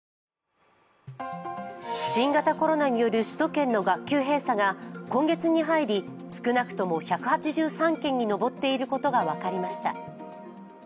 新型コロナによる首都圏の学級閉鎖が今月に入り、少なくとも１８３件に上っていることが分かりました。